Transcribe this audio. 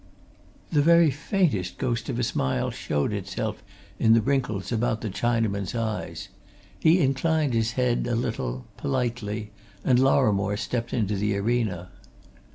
The very faintest ghost of a smile showed itself in the wrinkles about the Chinaman's eyes. He inclined his head a little, politely, and Lorrimore stepped into the arena.